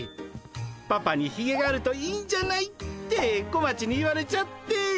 パパにひげがあるといいんじゃない？って小町に言われちゃって。